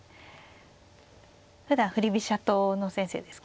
ふだん振り飛車党の先生ですからね。